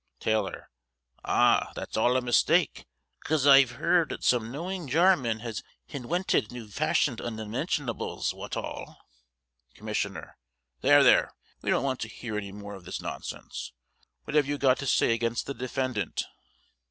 Tailor: Ah! that's all a mistake, 'cause I've heerd that some knowing Jarman has hinwented new fashioned unmentionables, wot all Commissioner: There, there, we don't want to hear any more of this nonsense. What have you got to say against the defendant?